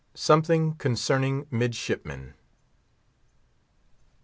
SOMETHING CONCERNING MIDSHIPMEN.